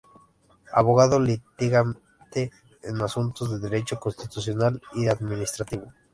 Abogado litigante en asuntos de Derecho constitucional y administrativo.